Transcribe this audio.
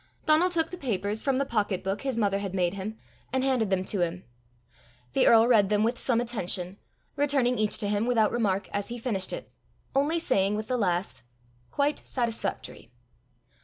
Donal took the papers from the pocket book his mother had made him, and handed them to him. The earl read them with some attention, returning each to him without remark as he finished it, only saying with the last, "Quite satisfactory."